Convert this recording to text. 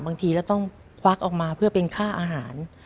บางทีเราต้องควักออกมาเพื่อเป็นค่าอาหาร